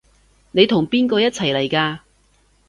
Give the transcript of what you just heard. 你同邊個一齊嚟㗎？